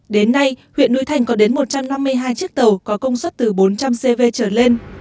đến nay huyện núi thành có đến một trăm năm mươi hai chiếc tàu có công suất từ bốn trăm linh cv trở lên